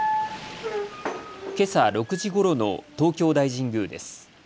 けさ６時ごろの東京大神宮です。